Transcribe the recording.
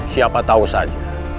siapa tahu saja